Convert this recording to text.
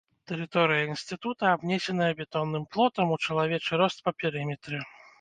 Тэрыторыя інстытута абнесеная бетонным плотам у чалавечы рост па перыметры.